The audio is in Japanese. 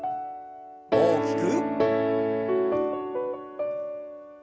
大きく。